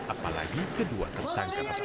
apalagi kedua tersangka tersebut